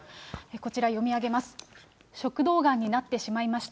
こちら読み上げます。